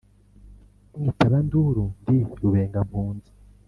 Mwitabanduru ndi Rubengampunzi.